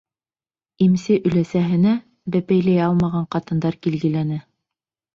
Имсе өләсәһенә бәпәйләй алмаған ҡатындар килгеләне.